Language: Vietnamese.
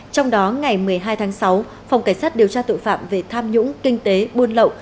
trong đó ngày một mươi hai tháng sáu phòng cảnh sát điều tra tội phạm về tham nhũng kinh tế buôn lậu